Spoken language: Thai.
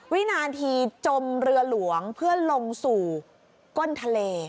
วินาทีจมเรือหลวงเพื่อลงสู่ก้นทะเล